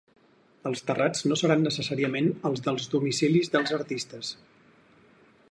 Els terrats no seran necessàriament els dels domicilis dels artistes.